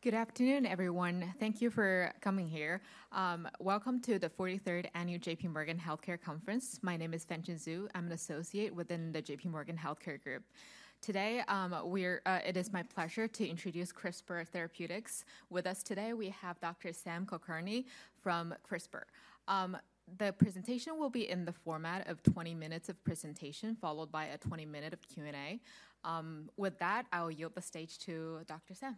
Good afternoon, everyone. Thank you for coming here. Welcome to the 43rd Annual JPMorgan Healthcare Conference. My name is Fan Xunzu. I'm an associate within the J.P. Morgan Healthcare Group. Today, it is my pleasure to introduce CRISPR Therapeutics. With us today, we have Dr. Sam Kulkarni from CRISPR. The presentation will be in the format of 20 minutes of presentation, followed by a 20-minute Q&A. With that, I will yield the stage to Dr. Sam.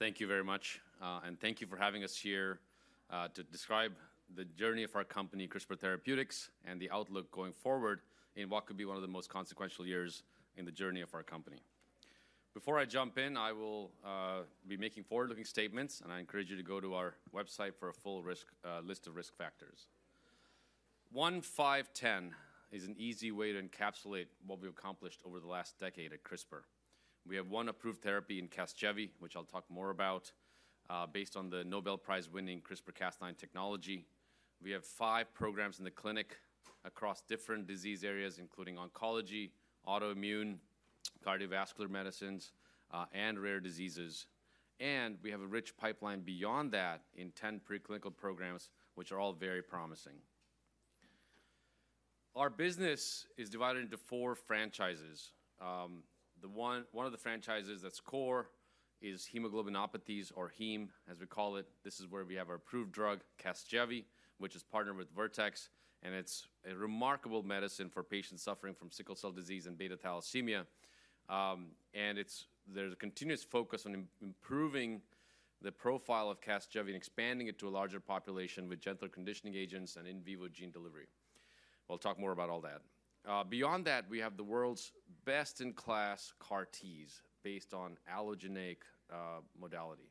Thank you very much, and thank you for having us here to describe the journey of our company, CRISPR Therapeutics, and the outlook going forward in what could be one of the most consequential years in the journey of our company. Before I jump in, I will be making forward-looking statements, and I encourage you to go to our website for a full list of risk factors. 1-5-10 is an easy way to encapsulate what we've accomplished over the last decade at CRISPR. We have one approved therapy in CASGEVY, which I'll talk more about, based on the Nobel Prize-winning CRISPR-Cas9 technology. We have five programs in the clinic across different disease areas, including oncology, autoimmune, cardiovascular medicines, and rare diseases, and we have a rich pipeline beyond that in 10 preclinical programs, which are all very promising. Our business is divided into four franchises. One of the franchises that's core is hemoglobinopathies, or Heme, as we call it. This is where we have our approved drug, CASGEVY, which is partnered with Vertex, and it's a remarkable medicine for patients suffering from sickle cell disease and beta thalassemia. And there's a continuous focus on improving the profile of CASGEVY and expanding it to a larger population with gentle conditioning agents and in vivo gene delivery. We'll talk more about all that. Beyond that, we have the world's CAR-Ts, based on allogeneic modality.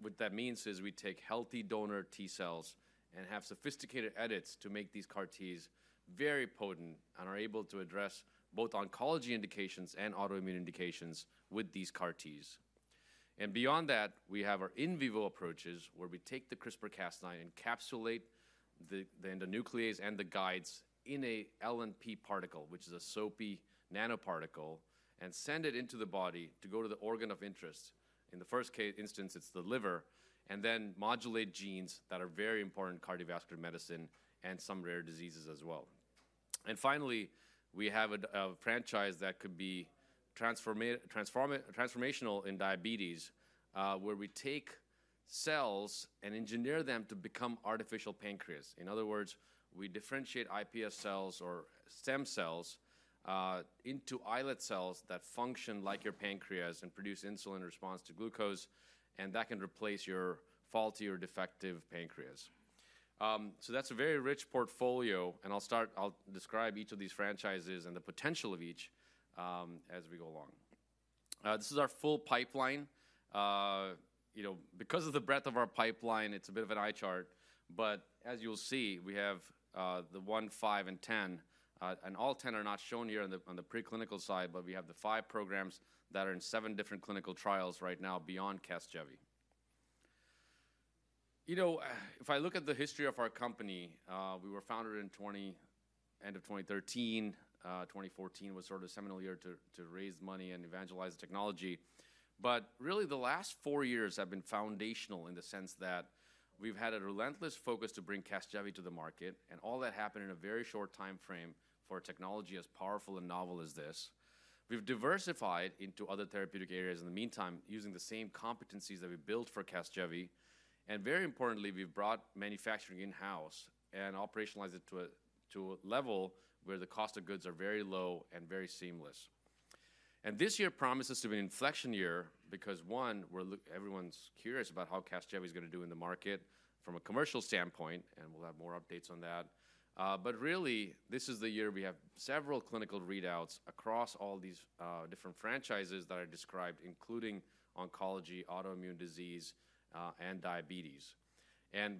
What that means is we take healthy donor T cells and have sophisticated edits to make CAR-Ts very potent and are able to address both oncology indications and autoimmune indications with these CAR-Ts. Beyond that, we have our in vivo approaches, where we take the CRISPR-Cas9, encapsulate the nuclease and the guides in an LNP particle, which is a soapy nanoparticle, and send it into the body to go to the organ of interest. In the first instance, it's the liver, and then modulate genes that are very important in cardiovascular medicine and some rare diseases as well. Finally, we have a franchise that could be transformational in diabetes, where we take cells and engineer them to become artificial pancreas. In other words, we differentiate iPS cells or stem cells into islet cells that function like your pancreas and produce insulin in response to glucose, and that can replace your faulty or defective pancreas. That's a very rich portfolio, and I'll describe each of these franchises and the potential of each as we go along. This is our full pipeline. Because of the breadth of our pipeline, it's a bit of an eye chart, but as you'll see, we have the one, five, and 10, and all 10 are not shown here on the preclinical side, but we have the five programs that are in seven different clinical trials right now beyond CASGEVY. If I look at the history of our company, we were founded in the end of 2013. 2014 was sort of a seminal year to raise money and evangelize the technology. But really, the last four years have been foundational in the sense that we've had a relentless focus to bring CASGEVY to the market, and all that happened in a very short time frame for a technology as powerful and novel as this. We've diversified into other therapeutic areas in the meantime, using the same competencies that we built for CASGEVY. Very importantly, we've brought manufacturing in-house and operationalized it to a level where the cost of goods are very low and very seamless. This year promises to be an inflection year because, one, everyone's curious about how CASGEVY is going to do in the market from a commercial standpoint, and we'll have more updates on that. Really, this is the year we have several clinical readouts across all these different franchises that I described, including oncology, autoimmune disease, and diabetes.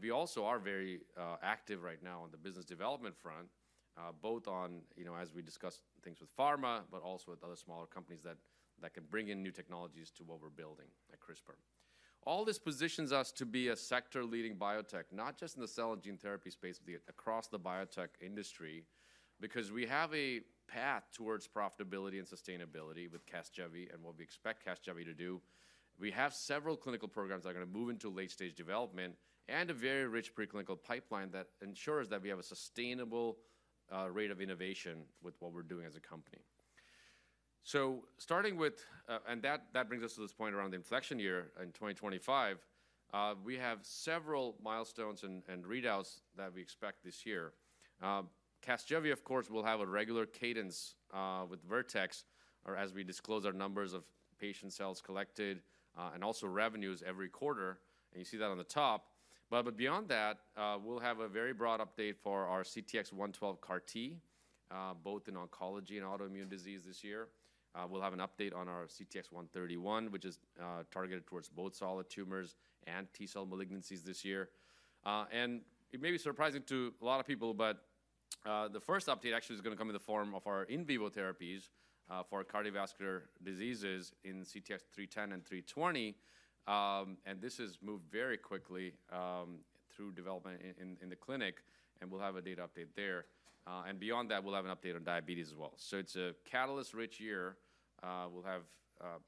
We also are very active right now on the business development front, both on, as we discussed, things with pharma, but also with other smaller companies that can bring in new technologies to what we're building at CRISPR. All this positions us to be a sector-leading biotech, not just in the cell and gene therapy space, but across the biotech industry, because we have a path towards profitability and sustainability with CASGEVY and what we expect CASGEVY to do. We have several clinical programs that are going to move into late-stage development and a very rich preclinical pipeline that ensures that we have a sustainable rate of innovation with what we're doing as a company. So starting with, and that brings us to this point around the inflection year in 2025, we have several milestones and readouts that we expect this year. CASGEVY, of course, will have a regular cadence with Vertex, or as we disclose our numbers of patient cells collected and also revenues every quarter, and you see that on the top. But beyond that, we'll have a very broad update for our CAR-T, both in oncology and autoimmune disease this year. We'll have an update on our CTX131, which is targeted towards both solid tumors and T cell malignancies this year. And it may be surprising to a lot of people, but the first update actually is going to come in the form of our in vivo therapies for cardiovascular diseases in CTX310 and CTX320. And this has moved very quickly through development in the clinic, and we'll have a data update there. And beyond that, we'll have an update on diabetes as well. So it's a catalyst-rich year. We'll have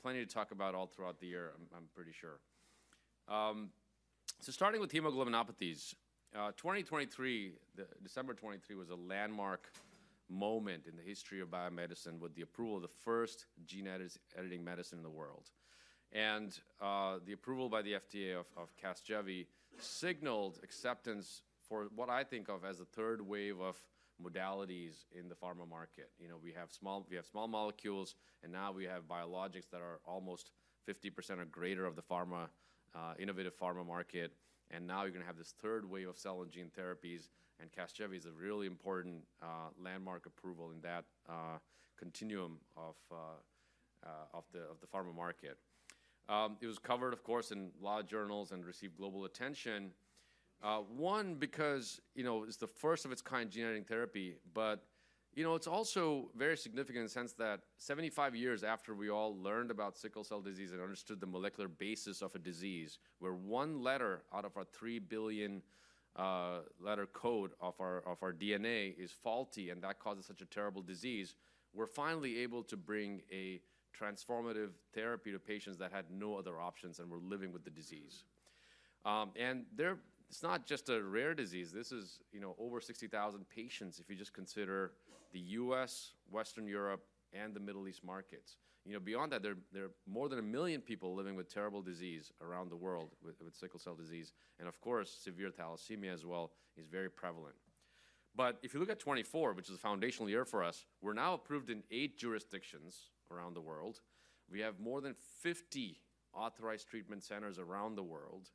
plenty to talk about all throughout the year, I'm pretty sure. So starting with hemoglobinopathies, 2023, December 2023 was a landmark moment in the history of biomedicine with the approval of the first gene-editing medicine in the world. And the approval by the FDA of CASGEVY signaled acceptance for what I think of as the third wave of modalities in the pharma market. We have small molecules, and now we have biologics that are almost 50% or greater of the pharma innovative pharma market. And now you're going to have this third wave of cell and gene therapies, and CASGEVY is a really important landmark approval in that continuum of the pharma market. It was covered, of course, in a lot of journals and received global attention. One, because it's the first of its kind gene-editing therapy, but it's also very significant in the sense that 75 years after we all learned about sickle cell disease and understood the molecular basis of a disease, where one letter out of our 3 billion-letter code of our DNA is faulty and that causes such a terrible disease, we're finally able to bring a transformative therapy to patients that had no other options and were living with the disease. And it's not just a rare disease. This is over 60,000 patients if you just consider the U.S., Western Europe, and the Middle East markets. Beyond that, there are more than a million people living with terrible disease around the world with sickle cell disease. And of course, severe thalassemia as well is very prevalent. But if you look at 2024, which is a foundational year for us, we're now approved in eight jurisdictions around the world. We have more than 50 authorized treatment centers around the world,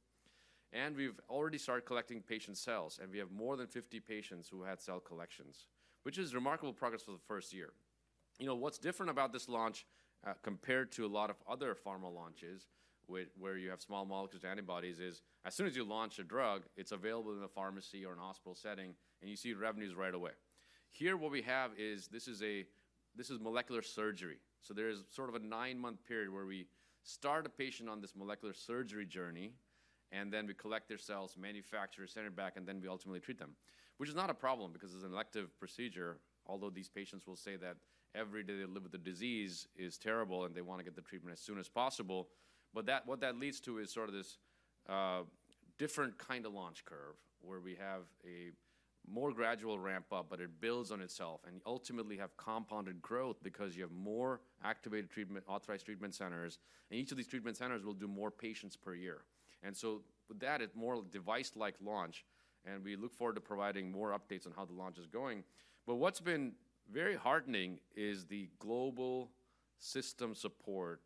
and we've already started collecting patient cells, and we have more than 50 patients who had cell collections, which is remarkable progress for the first year. What's different about this launch compared to a lot of other pharma launches where you have small molecules and antibodies is as soon as you launch a drug, it's available in a pharmacy or a hospital setting, and you see revenues right away. Here, what we have is this is molecular surgery. There is sort of a nine-month period where we start a patient on this molecular surgery journey, and then we collect their cells, manufacture, send it back, and then we ultimately treat them, which is not a problem because it is an elective procedure, although these patients will say that every day they live with the disease is terrible and they want to get the treatment as soon as possible. But what that leads to is sort of this different kind of launch curve where we have a more gradual ramp-up, but it builds on itself and ultimately have compounded growth because you have more activated treatment, authorized treatment centers, and each of these treatment centers will do more patients per year. With that, it is more of a device-like launch, and we look forward to providing more updates on how the launch is going. But what's been very heartening is the global system support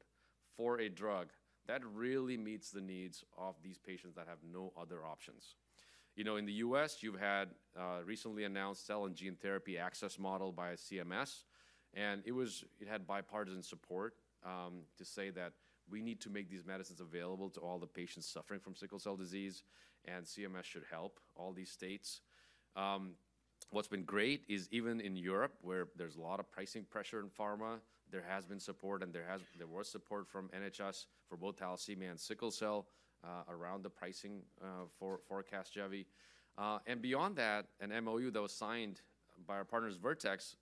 for a drug that really meets the needs of these patients that have no other options. In the U.S., you've had recently announced cell and gene therapy access model by CMS, and it had bipartisan support to say that we need to make these medicines available to all the patients suffering from sickle cell disease, and CMS should help all these states. What's been great is even in Europe, where there's a lot of pricing pressure in pharma, there has been support, and there was support from NHS for both thalassemia and sickle cell around the pricing for CASGEVY. And beyond that, an MOU that was signed by our partners, Vertex,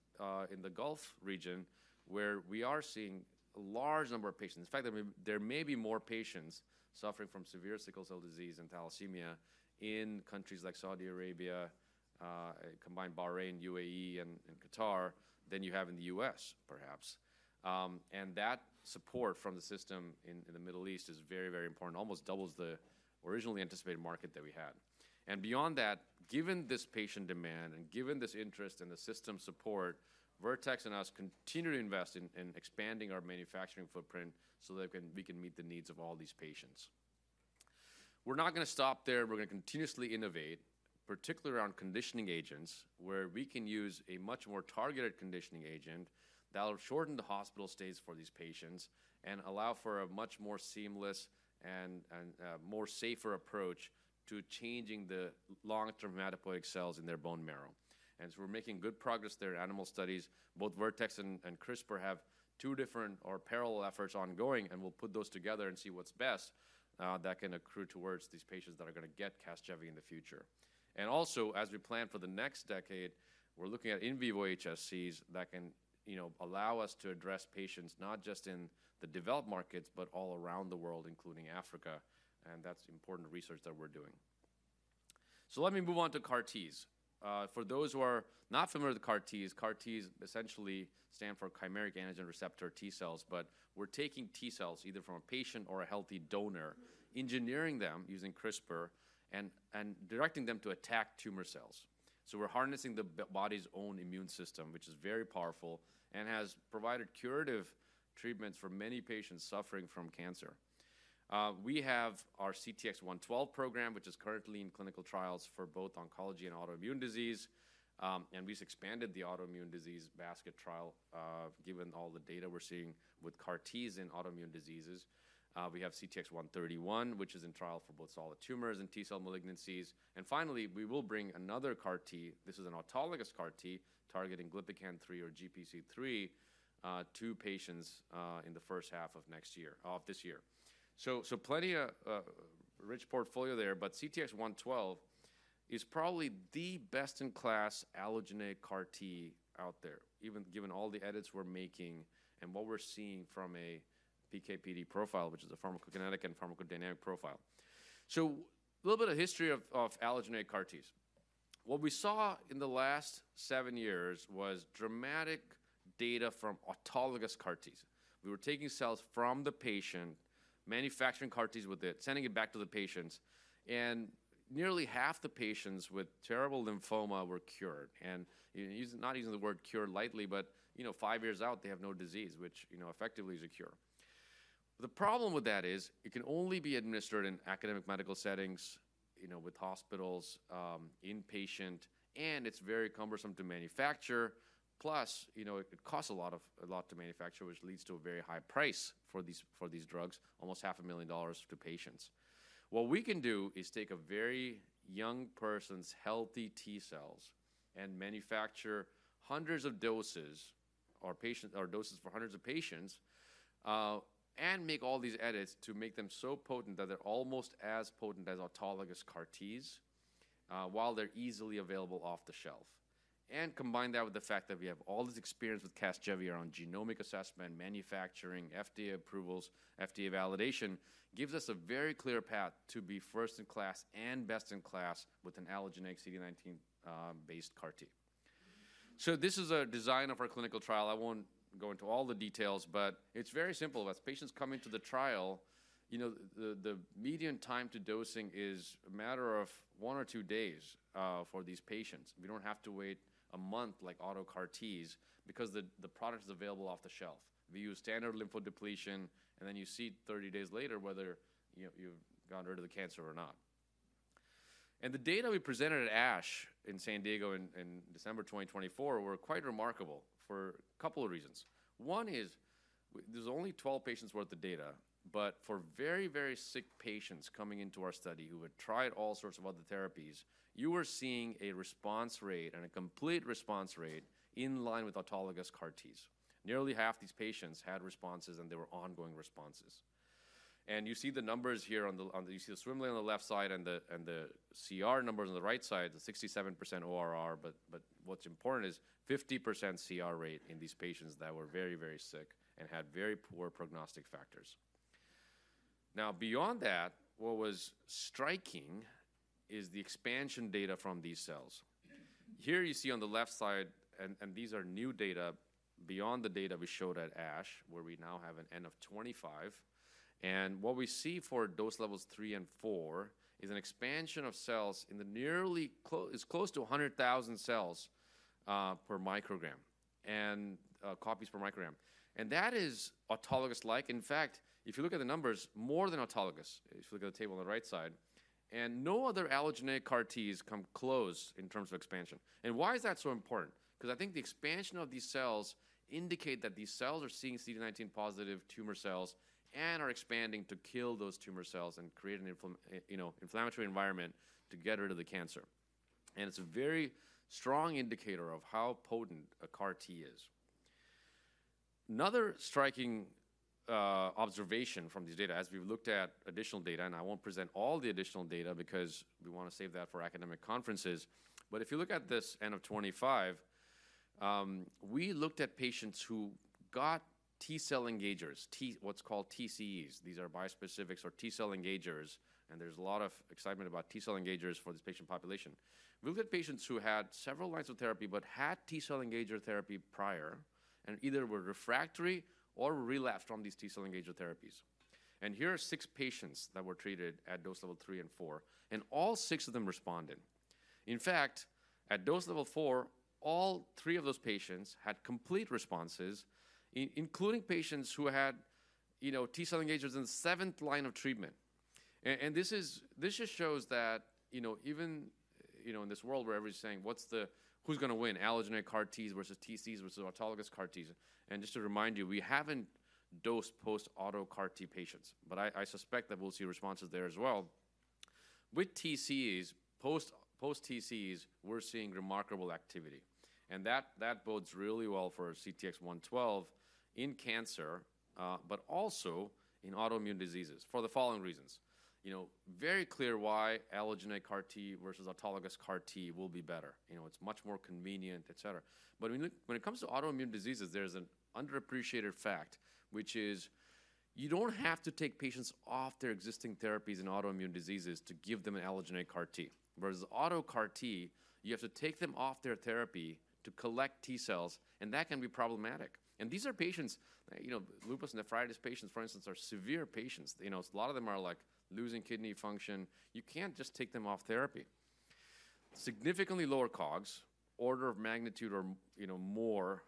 in the Gulf region, where we are seeing a large number of patients. In fact, there may be more patients suffering from severe sickle cell disease and thalassemia in countries like Saudi Arabia, combined Bahrain, UAE, and Qatar than you have in the U.S., perhaps. And that support from the system in the Middle East is very, very important, almost doubles the originally anticipated market that we had. And beyond that, given this patient demand and given this interest and the system support, Vertex and us continue to invest in expanding our manufacturing footprint so that we can meet the needs of all these patients. We're not going to stop there. We're going to continuously innovate, particularly around conditioning agents, where we can use a much more targeted conditioning agent that will shorten the hospital stays for these patients and allow for a much more seamless and more safer approach to changing the long-term hematopoietic cells in their bone marrow. And so we're making good progress there in animal studies. Both Vertex and CRISPR have two different or parallel efforts ongoing, and we'll put those together and see what's best that can accrue towards these patients that are going to get CASGEVY in the future. And also, as we plan for the next decade, we're looking at in vivo HSCs that can allow us to address patients not just in the developed markets, but all around the world, including Africa. And that's important research that we're doing. So let me move on CAR-Ts. For those who are not familiar CAR-Ts essentially stand for chimeric antigen receptor T cells, but we're taking T cells either from a patient or a healthy donor, engineering them using CRISPR and directing them to attack tumor cells. We're harnessing the body's own immune system, which is very powerful and has provided curative treatments for many patients suffering from cancer. We have our CTX112 program, which is currently in clinical trials for both oncology and autoimmune disease, and we've expanded the autoimmune disease basket trial given all the data we're seeing CAR-Ts in autoimmune diseases. We have CTX131, which is in trial for both solid tumors and T cell malignancies. And finally, we will bring CAR-T. This is an CAR-T targeting Glypican-3 or GPC3 to patients in the first half of this year. So plenty of rich portfolio there, but CTX112 is probably the best-in-class CAR-T out there, even given all the edits we're making and what we're seeing from a PKPD profile, which is a pharmacokinetic and pharmacodynamic profile. So a little bit of history of allogeneic CAR-Ts. What we saw in the last seven years was dramatic data from CAR-Ts. We were taking cells from the patient, CAR-Ts with it, sending it back to the patients, and nearly half the patients with terrible lymphoma were cured, and not using the word cured lightly, but five years out, they have no disease, which effectively is a cure. The problem with that is it can only be administered in academic medical settings with hospitals, inpatient, and it's very cumbersome to manufacture. Plus, it costs a lot to manufacture, which leads to a very high price for these drugs, almost $500,000 to patients. What we can do is take a very young person's healthy T cells and manufacture hundreds of doses or doses for hundreds of patients and make all these edits to make them so potent that they're almost as potent as CAR-Ts while they're easily available off the shelf, and combine that with the fact that we have all this experience with CASGEVY around genomic assessment, manufacturing, FDA approvals, FDA validation gives us a very clear path to be first in class and best in class with an allogeneic CAR-T, so this is a design of our clinical trial. I won't go into all the details, but it's very simple. As patients come into the trial, the median time to dosing is a matter of one or two days for these patients. We don't have to wait a month like CAR-Ts because the product is available off the shelf. We use standard lymphodepletion, and then you see 30 days later whether you've gotten rid of the cancer or not, and the data we presented at ASH in San Diego in December 2024 were quite remarkable for a couple of reasons. One is there's only 12 patients worth of data, but for very, very sick patients coming into our study who had tried all sorts of other therapies, you were seeing a response rate and a complete response rate in line with CAR-Ts. Nearly half these patients had responses, and they were ongoing responses. You see the numbers here on the swim lane on the left side and the CR numbers on the right side, the 67% ORR, but what's important is 50% CR rate in these patients that were very, very sick and had very poor prognostic factors. Now, beyond that, what was striking is the expansion data from these cells. Here you see on the left side, and these are new data beyond the data we showed at ASH, where we now have an N of 25. And what we see for dose levels three and four is an expansion of cells nearly; it's close to 100,000 cells per microgram and copies per microgram. And that is autologous-like. In fact, if you look at the numbers, more than autologous, if you look at the table on the right side, and no other CAR-Ts come close in terms of expansion, and why is that so important? Because I think the expansion of these cells indicates that these cells are seeing CD19-positive tumor cells and are expanding to kill those tumor cells and create an inflammatory environment to get rid of the cancer, and it's a very strong indicator of how potent CAR-T is. Another striking observation from these data, as we've looked at additional data, and I won't present all the additional data because we want to save that for academic conferences, but if you look at this N of 25, we looked at patients who got T cell engagers, what's called TCEs. These are bispecifics or T cell engagers, and there's a lot of excitement about T cell engagers for this patient population. We looked at patients who had several lines of therapy but had T cell engager therapy prior and either were refractory or relapsed from these T cell engager therapies, and here are six patients that were treated at dose level three and four, and all six of them responded. In fact, at dose level four, all three of those patients had complete responses, including patients who had T cell engagers in the seventh line of treatment, and this just shows that even in this world where everybody's saying, "Who's going to win? CAR-Ts versus TCEs versus CAR-Ts?", and just to remind you, we haven't dosed CAR-T patients, but I suspect that we'll see responses there as well. With TCEs, post-TCEs, we're seeing remarkable activity. And that bodes really well for CTX112 in cancer, but also in autoimmune diseases for the following reasons. Very clear why CAR-T versus CAR-T will be better. It's much more convenient, etc. But when it comes to autoimmune diseases, there's an underappreciated fact, which is you don't have to take patients off their existing therapies in autoimmune diseases to give them an CAR-T. Whereas CAR-T, you have to take them off their therapy to collect T cells, and that can be problematic. And these are patients. Lupus nephritis patients, for instance, are severe patients. A lot of them are losing kidney function. You can't just take them off therapy. Significantly lower COGS. Order of magnitude or more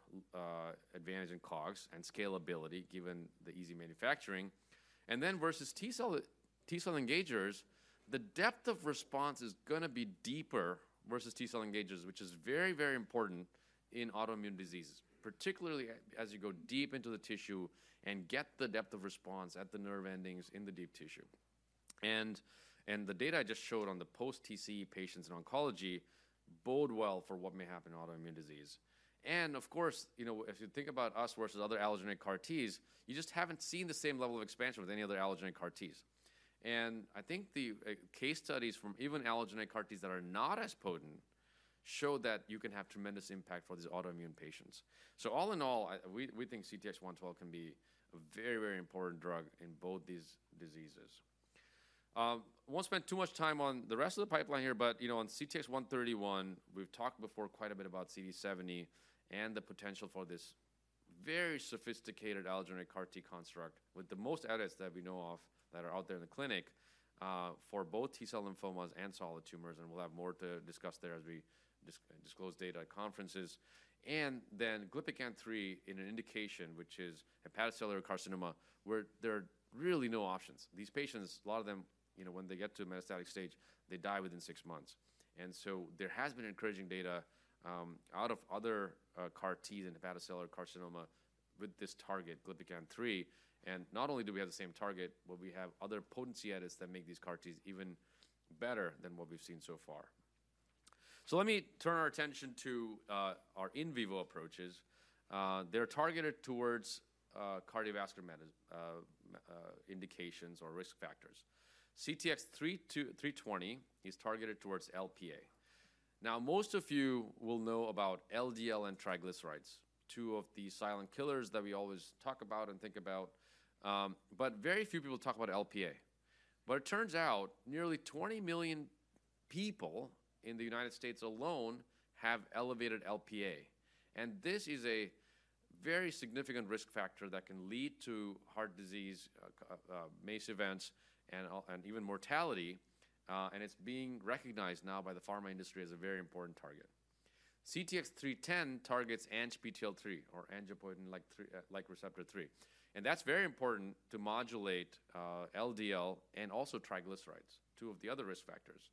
advantage in COGS and scalability, given the easy manufacturing. And then versus T cell engagers, the depth of response is going to be deeper versus T cell engagers, which is very, very important in autoimmune diseases, particularly as you go deep into the tissue and get the depth of response at the nerve endings in the deep tissue. And the data I just showed on the post-TCE patients in oncology bode well for what may happen in autoimmune disease. And of course, if you think about us versus other CAR-Ts, you just haven't seen the same level of expansion with any other CAR-Ts. And I think the case studies from even CAR-Ts that are not as potent show that you can have tremendous impact for these autoimmune patients. So all in all, we think CTX112 can be a very, very important drug in both these diseases. I won't spend too much time on the rest of the pipeline here, but on CTX131, we've talked before quite a bit about CD70 and the potential for this very sophisticated CAR-T construct with the most edits that we know of that are out there in the clinic for both T cell lymphomas and solid tumors, and we'll have more to discuss there as we disclose data at conferences, and then Glypican-3 in an indication, which is hepatocellular carcinoma, where there are really no options. These patients, a lot of them, when they get to metastatic stage, they die within six months, and so there has been encouraging data out of CAR-Ts in hepatocellular carcinoma with this target, Glypican-3, and not only do we have the same target, but we have other potency edits that make CAR-Ts even better than what we've seen so far. Let me turn our attention to our in vivo approaches. They're targeted towards cardiovascular medicine indications or risk factors. CTX320 is targeted towards Lp(a). Now, most of you will know about LDL and triglycerides, two of the silent killers that we always talk about and think about, but very few people talk about Lp(a). But it turns out nearly 20 million people in the United States alone have elevated Lp(a). And this is a very significant risk factor that can lead to heart disease, MACE events, and even mortality. And it's being recognized now by the pharma industry as a very important target. CTX310 targets ANGPTL3 or angiopoietin-like protein 3. And that's very important to modulate LDL and also triglycerides, two of the other risk factors.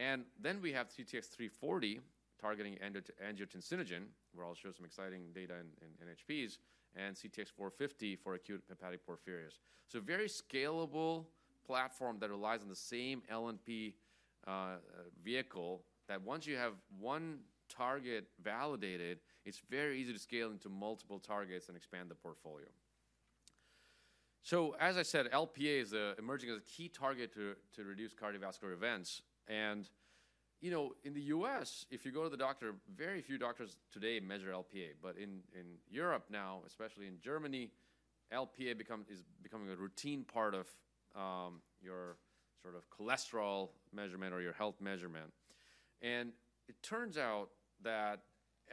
And then we have CTX340 targeting angiotensinogen, where I'll show some exciting data in NHPs, and CTX450 for acute hepatic porphyrias. So very scalable platform that relies on the same LNP vehicle that once you have one target validated, it's very easy to scale into multiple targets and expand the portfolio. So as I said, Lp(a) is emerging as a key target to reduce cardiovascular events. And in the U.S., if you go to the doctor, very few doctors today measure Lp(a). But in Europe now, especially in Germany, Lp(a) is becoming a routine part of your sort of cholesterol measurement or your health measurement. And it turns out that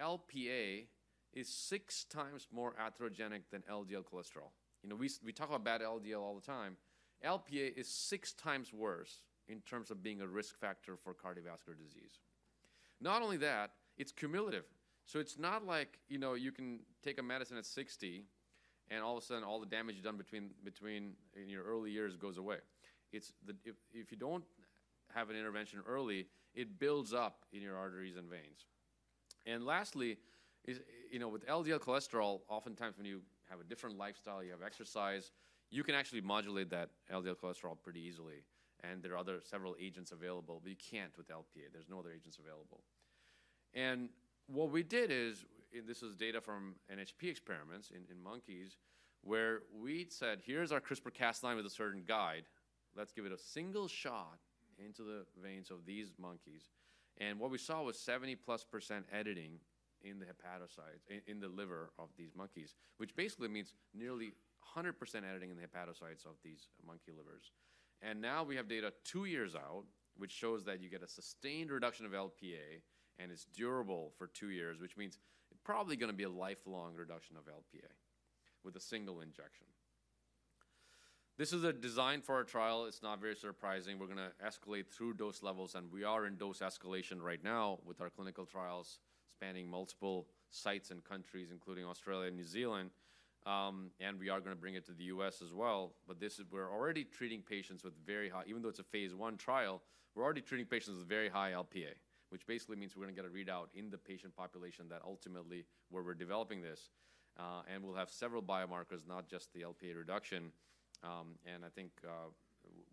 Lp(a) is six times more atherogenic than LDL cholesterol. We talk about bad LDL all the time. Lp(a) is six times worse in terms of being a risk factor for cardiovascular disease. Not only that, it's cumulative. It's not like you can take a medicine at 60 and all of a sudden all the damage done between your early years goes away. If you don't have an intervention early, it builds up in your arteries and veins. Lastly, with LDL cholesterol, oftentimes when you have a different lifestyle, you have exercise, you can actually modulate that LDL cholesterol pretty easily. There are several agents available, but you can't with Lp(a). There's no other agents available. What we did is, and this is data from NHP experiments in monkeys, where we said, "Here's our CRISPR-Cas9 with a certain guide. Let's give it a single shot into the veins of these monkeys." What we saw was 70%+ editing in the hepatocytes in the liver of these monkeys, which basically means nearly 100% editing in the hepatocytes of these monkey livers. Now we have data two years out, which shows that you get a sustained reduction of Lp(a), and it's durable for two years, which means it's probably going to be a lifelong reduction of Lp(a) with a single injection. This is a design for our trial. It's not very surprising. We're going to escalate through dose levels, and we are in dose escalation right now with our clinical trials spanning multiple sites and countries, including Australia and New Zealand. We are going to bring it to the US as well. This is where we're already treating patients with very high, even though it's a phase one trial, we're already treating patients with very high Lp(a), which basically means we're going to get a readout in the patient population that ultimately where we're developing this. We'll have several biomarkers, not just the Lp(a) reduction. I think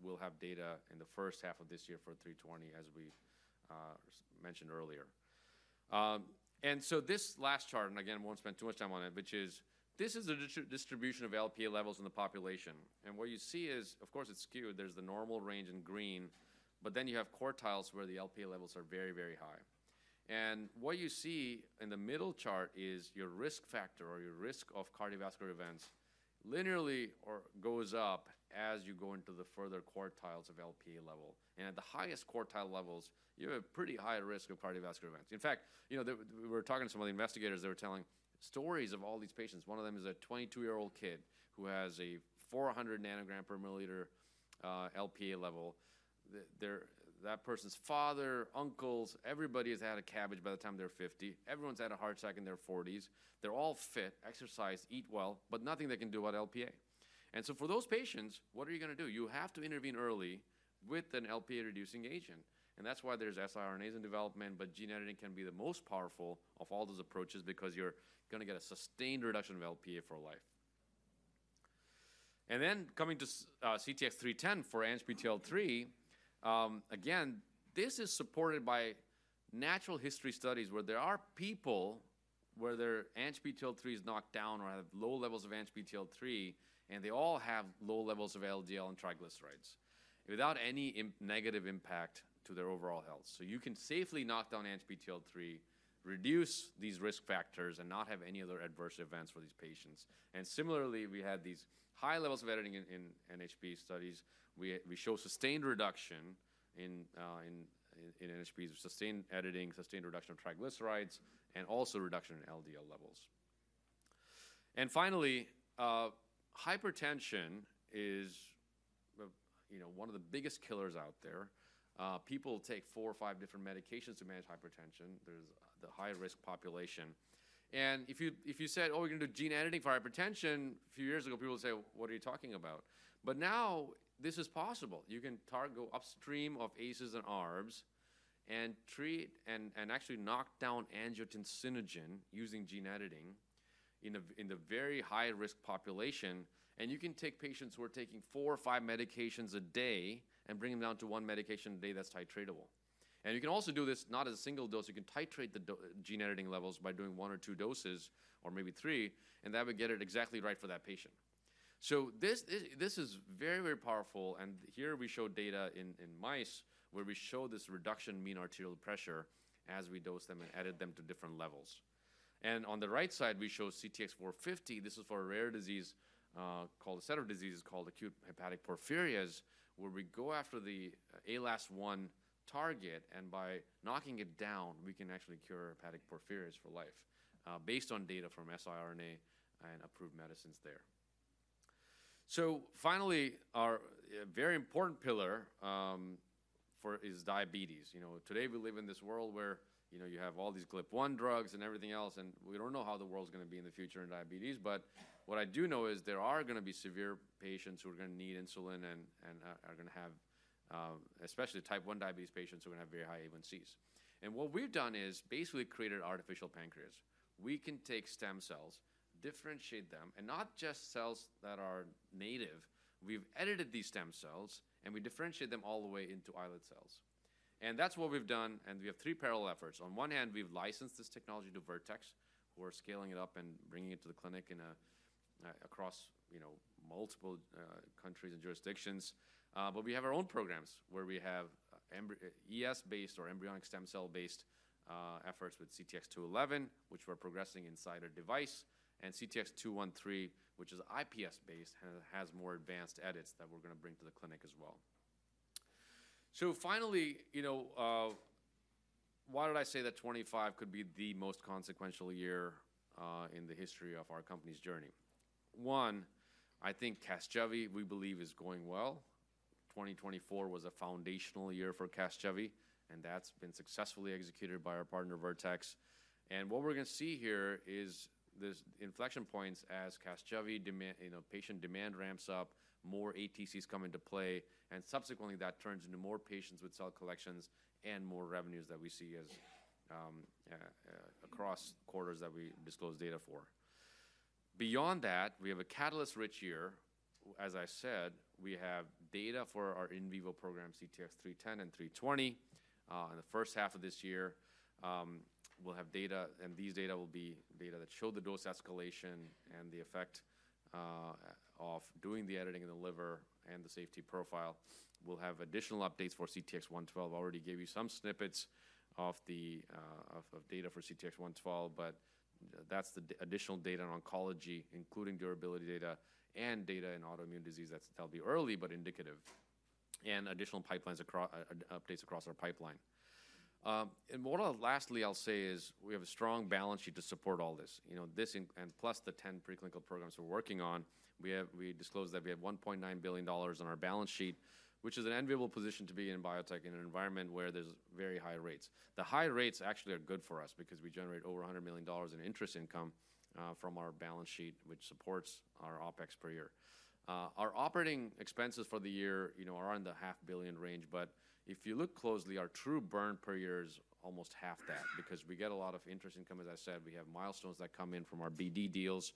we'll have data in the first half of this year for 320, as we mentioned earlier. So this last chart, and again, I won't spend too much time on it, which is this is the distribution of Lp(a) levels in the population. What you see is, of course, it's skewed. There's the normal range in green, but then you have quartiles where the Lp(a) levels are very, very high. What you see in the middle chart is your risk factor or your risk of cardiovascular events linearly goes up as you go into the further quartiles of Lp(a) level. At the highest quartile levels, you have a pretty high risk of cardiovascular events. In fact, we were talking to some of the investigators that were telling stories of all these patients. One of them is a 22-year-old kid who has a 400 nanogram per milliliter Lp(a) level. That person's father, uncles, everybody has had a CABG by the time they're 50. Everyone's had a heart attack in their 40s. They're all fit, exercise, eat well, but nothing they can do about Lp(a). And so for those patients, what are you going to do? You have to intervene early with an Lp(a)-reducing agent. And that's why there's siRNAs in development, but gene editing can be the most powerful of all those approaches because you're going to get a sustained reduction of Lp(a) for life. And then coming to CTX310 for ANGPTL3, again, this is supported by natural history studies where there are people where their ANGPTL3 is knocked down or have low levels of ANGPTL3, and they all have low levels of LDL and triglycerides without any negative impact to their overall health. So you can safely knock down ANGPTL3, reduce these risk factors, and not have any other adverse events for these patients. And similarly, we had these high levels of editing in NHP studies. We show sustained reduction in NHPs, sustained editing, sustained reduction of triglycerides, and also reduction in LDL levels. And finally, hypertension is one of the biggest killers out there. People take four or five different medications to manage hypertension. There's the high-risk population. And if you said, "Oh, we're going to do gene editing for hypertension," a few years ago, people would say, "What are you talking about?" But now this is possible. You can go upstream of ACEs and ARBs and treat and actually knock down angiotensinogen using gene editing in the very high-risk population. And you can take patients who are taking four or five medications a day and bring them down to one medication a day that's titratable. And you can also do this not as a single dose. You can titrate the gene editing levels by doing one or two doses or maybe three, and that would get it exactly right for that patient. So this is very, very powerful. And here we show data in mice where we show this reduction in mean arterial pressure as we dose them and edit them to different levels. On the right side, we show CTX450. This is for a rare disease called a set of diseases called acute hepatic porphyrias, where we go after the ALAS1 target, and by knocking it down, we can actually cure hepatic porphyrias for life based on data from siRNA and approved medicines there. Finally, our very important pillar is diabetes. Today, we live in this world where you have all these GLP-1 drugs and everything else, and we don't know how the world's going to be in the future in diabetes, but what I do know is there are going to be severe patients who are going to need insulin and are going to have, especially Type 1 diabetes patients, who are going to have very high A1Cs, and what we've done is basically created artificial pancreas. We can take stem cells, differentiate them, and not just cells that are native. We've edited these stem cells, and we differentiate them all the way into islet cells. And that's what we've done. And we have three parallel efforts. On one hand, we've licensed this technology to Vertex, who are scaling it up and bringing it to the clinic across multiple countries and jurisdictions. But we have our own programs where we have ES-based or embryonic stem cell-based efforts with CTX211, which we're progressing inside a device, and CTX213, which is IPS-based and has more advanced edits that we're going to bring to the clinic as well. So finally, why did I say that 2025 could be the most consequential year in the history of our company's journey? One, I think CASGEVY, we believe, is going well. 2024 was a foundational year for CASGEVY, and that's been successfully executed by our partner, Vertex, and what we're going to see here is inflection points as CASGEVY patient demand ramps up, more ATCs come into play, and subsequently that turns into more patients with cell collections and more revenues that we see across quarters that we disclose data for. Beyond that, we have a catalyst-rich year. As I said, we have data for our in vivo program, CTX310 and 320. In the first half of this year, we'll have data, and these data will be data that show the dose escalation and the effect of doing the editing in the liver and the safety profile. We'll have additional updates for CTX112. I already gave you some snippets of data for CTX112, but that's the additional data on oncology, including durability data and data in autoimmune disease that's probably early but indicative, and additional updates across our pipeline. Lastly, I'll say is we have a strong balance sheet to support all this. Plus the 10 preclinical programs we're working on, we disclose that we have $1.9 billion on our balance sheet, which is an enviable position to be in biotech in an environment where there's very high rates. The high rates actually are good for us because we generate over $100 million in interest income from our balance sheet, which supports our OpEx per year. Our operating expenses for the year are in the $500 million range, but if you look closely, our true burn per year is almost half that because we get a lot of interest income. As I said, we have milestones that come in from our BD deals.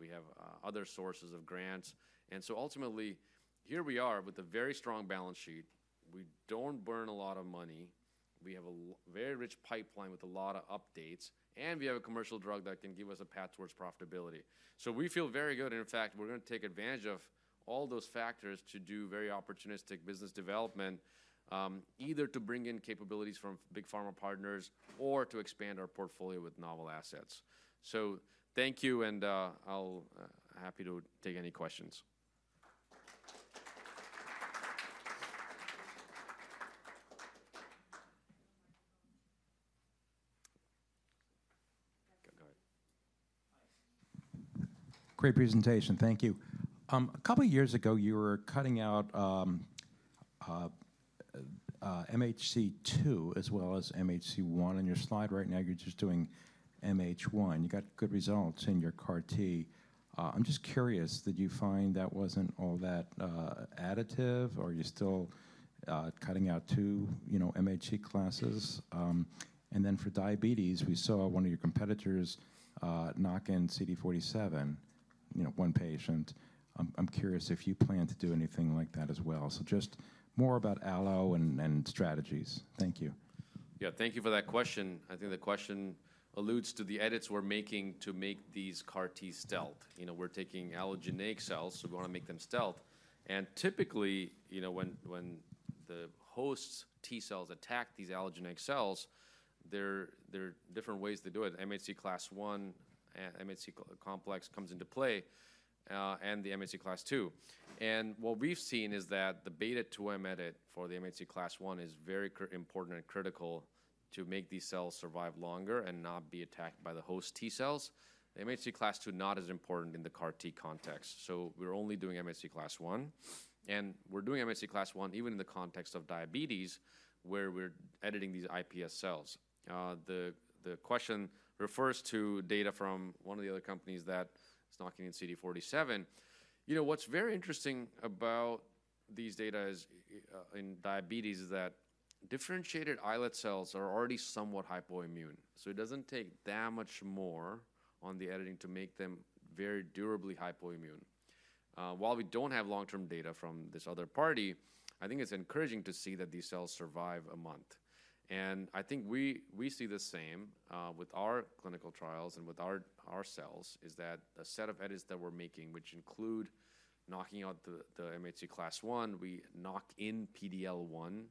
We have other sources of grants. And so ultimately, here we are with a very strong balance sheet. We don't burn a lot of money. We have a very rich pipeline with a lot of updates, and we have a commercial drug that can give us a path towards profitability. So we feel very good. In fact, we're going to take advantage of all those factors to do very opportunistic business development, either to bring in capabilities from big pharma partners or to expand our portfolio with novel assets. So thank you, and I'm happy to take any questions. Go ahead. Hi. Great presentation. Thank you. A couple of years ago, you were cutting out MHC II as well as MHC I. On your slide right now, you're just doing MHC I. You got good results in CAR-T. I'm just curious that you find that wasn't all that additive, or are you still cutting out two MHC classes? And then for diabetes, we saw one of your competitors knock in CD47, one patient. I'm curious if you plan to do anything like that as well. So just more about allo and strategies. Thank you. Yeah, thank you for that question. I think the question alludes to the edits we're making to make CAR-Ts stealth. We're taking allogeneic cells, so we want to make them stealth. And typically, when the host's T cells attack these allogeneic cells, there are different ways to do it. MHC Class I, MHC complex comes into play, and the MHC Class II. And what we've seen is that the Beta-2M edit for the MHC Class I is very important and critical to make these cells survive longer and not be attacked by the host T cells. The MHC Class II is not as important in CAR-T context. So we're only doing MHC Class I. And we're doing MHC Class I even in the context of diabetes where we're editing these iPS cells. The question refers to data from one of the other companies that is knocking in CD47. What's very interesting about these data in diabetes is that differentiated islet cells are already somewhat hypoimmune. So it doesn't take that much more on the editing to make them very durably hypoimmune. While we don't have long-term data from this other party, I think it's encouraging to see that these cells survive a month. I think we see the same with our clinical trials and with our cells is that a set of edits that we're making, which include knocking out the MHC Class I, we knock in PD-L1,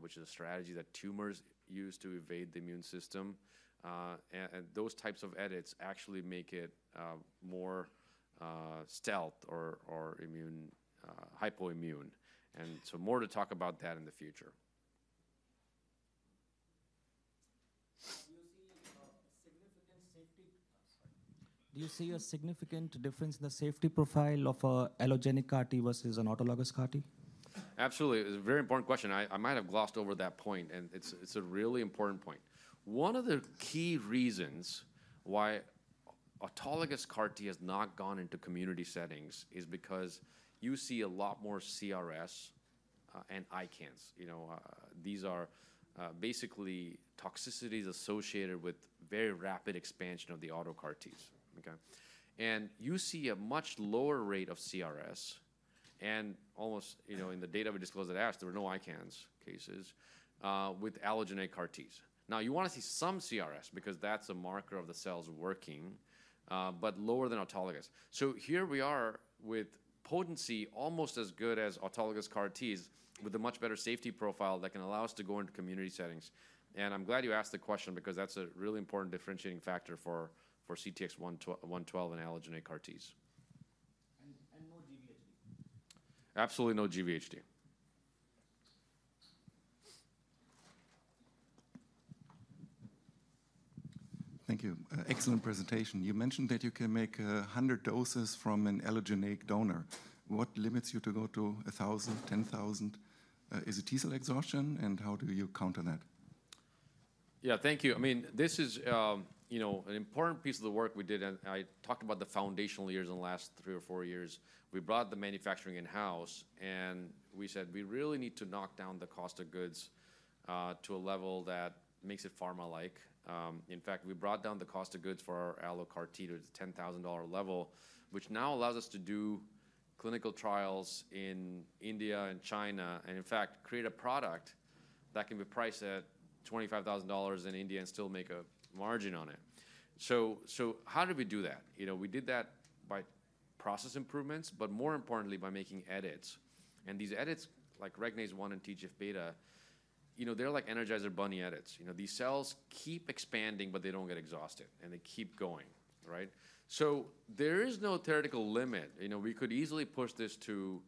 which is a strategy that tumors use to evade the immune system. And those types of edits actually make it more stealth or hypoimmune. And so more to talk about that in the future. Do you see a significant safety - sorry. Do you see a significant difference in the safety profile of an CAR-T versus an autologous CAR-T? Absolutely. It's a very important question. I might have glossed over that point, and it's a really important point. One of the key reasons why CAR-T has not gone into community settings is because you see a lot more CRS and ICANS. These are basically toxicities associated with very rapid expansion of the auto CAR-Ts. And you see a much lower rate of CRS. And almost in the data we disclosed at ASH, there were no ICANS cases with CAR-Ts. Now, you want to see some CRS because that's a marker of the cells working, but lower than autologous. So here we are with potency almost as good as CAR-Ts with a much better safety profile that can allow us to go into community settings. And I'm glad you asked the question because that's a really important differentiating factor for CTX112 and allogeneic CAR-Ts. And no GVHD? Absolutely no GVHD. Thank you. Excellent presentation. You mentioned that you can make 100 doses from an allogeneic donor. What limits you to go to 1,000, 10,000? Is it T cell exhaustion? And how do you counter that? Yeah, thank you. I mean, this is an important piece of the work we did. I talked about the foundational years in the last three or four years. We brought the manufacturing in-house, and we said we really need to knock down the cost of goods to a level that makes it pharma-like. In fact, we brought down the cost of goods for our CAR-T to the $10,000 level, which now allows us to do clinical trials in India and China and, in fact, create a product that can be priced at $25,000 in India and still make a margin on it. How did we do that? We did that by process improvements, but more importantly, by making edits. And these edits, like Regnase-1 and TGF-β, they're like Energizer Bunny edits. These cells keep expanding, but they don't get exhausted, and they keep going. There is no theoretical limit. We could easily push this to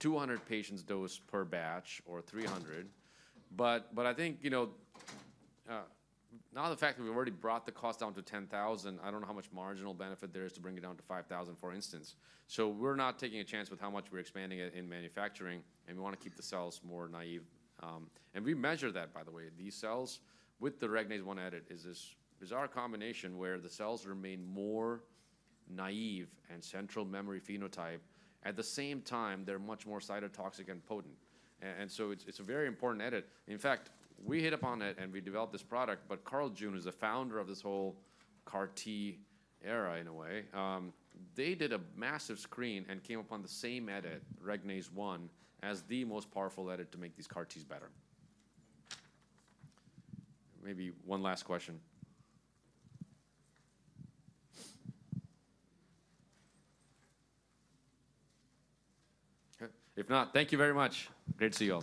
200 patients' dose per batch or 300. But I think now the fact that we've already brought the cost down to $10,000, I don't know how much marginal benefit there is to bring it down to $5,000, for instance. So we're not taking a chance with how much we're expanding it in manufacturing, and we want to keep the cells more naive. And we measure that, by the way. These cells with the Regnase-1 edit is this bizarre combination where the cells remain more naive and central memory phenotype. At the same time, they're much more cytotoxic and potent. And so it's a very important edit. In fact, we hit upon it, and we developed this product. But Carl June is the founder of this CAR-T era, in a way. They did a massive screen and came upon the same edit, Regnase-1, as the most powerful edit to make CAR-Ts better. Maybe one last question. If not, thank you very much. Great to see you all.